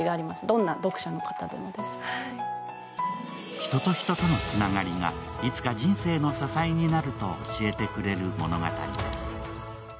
人人とのつながりが、いつか人生の支えになると教えてくれる物語です。